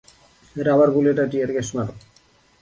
Rubber bullet আর tear gas মারো।